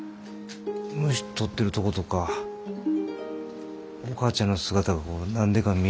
虫捕ってるとことかお母ちゃんの姿が何でか見えるいうか。